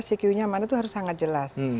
seque nya mana itu harus sangat jelas